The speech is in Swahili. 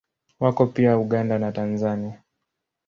Wako pia Uganda na Tanzania.